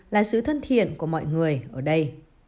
là sự thân thiện của mọi người ở đây